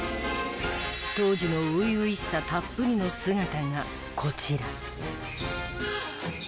当時の初々しさたっぷりの姿がこちら。